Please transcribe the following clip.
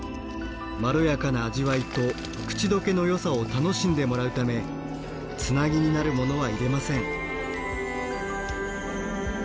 まろやかな味わいと口溶けのよさを楽しんでもらうためつなぎになるものは入れません。